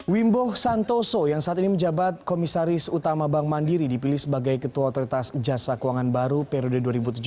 wimbo santoso yang saat ini menjabat komisaris utama bank mandiri dipilih sebagai ketua otoritas jasa keuangan baru periode dua ribu tujuh belas dua ribu dua